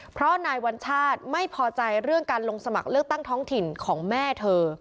เพราะนายวัญชาติไม่พอใจเรื่องการลงสมัครเลือกตั้งท้องถิ่นของแม่เธอ